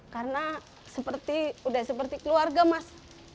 karena udah seperti keluarga mas